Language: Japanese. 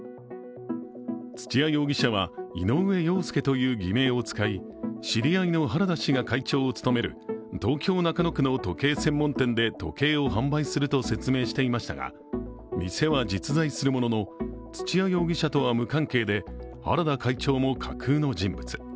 土屋容疑者は井上陽介という偽名を使い知り合いの原田氏が会長を務める東京・中野区の時計専門店で時計を販売すると説明していましたが、店は実在するものの土屋容疑者とは無関係で原田会長も架空の人物。